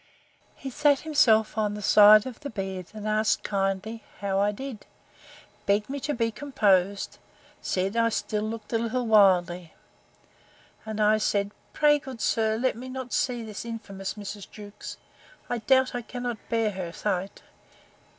He sat himself on the side of the bed, and asked kindly, how I did?—begged me to be composed; said, I still looked a little wildly. And I said, Pray, good sir, let me not see this infamous Mrs. Jewkes; I doubt I cannot bear her sight.